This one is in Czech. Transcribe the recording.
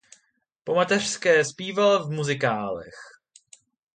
Po mateřské zpívala v muzikálech.